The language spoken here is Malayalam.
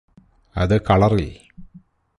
അത് കളറില്